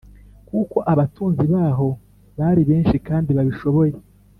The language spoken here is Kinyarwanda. Kuko abatunzi baho bari benshi kandi babishoboye